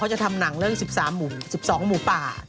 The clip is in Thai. ก็จะทำหนังเรื่อง๑๒หมูป่า